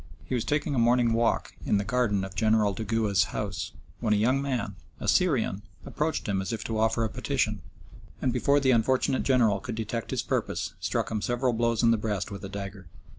He was taking a morning walk in the garden of General Dugua's house, when a young man, a Syrian, approached him as if to offer a petition, and before the unfortunate General could detect his purpose, struck him several blows in the breast with a dagger.